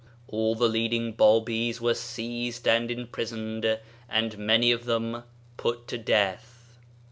All the leading Babis were seized and imprisoned, and many of them put to death.